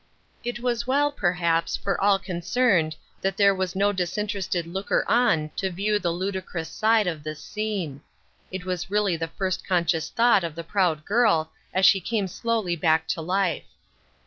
It was well, perhaps, for all concerned, that there was no disinterested looker on to view the ludicrous side of this scene ; it was really the first conscious thought of the proud girl as she came slowly back to life.